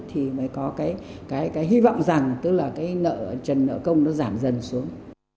thì mới có cái hy vọng rằng tức là cái nợ trần nợ công nó giảm dần xuống